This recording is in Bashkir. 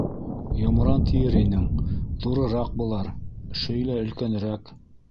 Йомран тиер инең, ҙурыраҡ былар, шөйлә өлкәнерәк.